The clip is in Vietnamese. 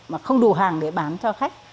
mà không đủ hàng để bán cho khách